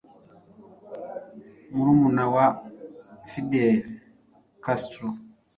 murumuna wa fidel castro